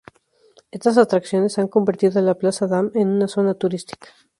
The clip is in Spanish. Estas atracciones han convertido a la plaza Dam en una zona turística.